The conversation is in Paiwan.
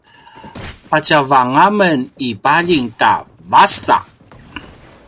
patjavang a men i paljing ta “vasa”